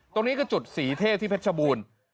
ตรงนี้คือจุดสีเทพที่เพชรบูรณ์